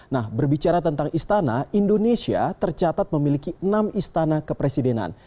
nah berbicara tentang istana indonesia tercatat memiliki enam istana kepresidenan